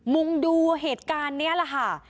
มุงดูเหตุการณ์นี้แหละค่ะ